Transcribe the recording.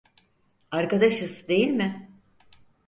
Arkadaşız, değil mi?